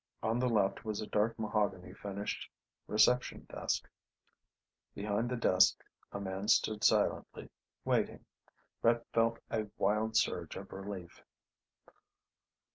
On the left was a dark mahogany finished reception desk. Behind the desk a man stood silently, waiting. Brett felt a wild surge of relief.